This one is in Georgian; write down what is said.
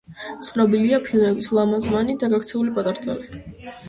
ცნობილია ფილმებით „ლამაზმანი“ და „გაქცეული პატარძალი“.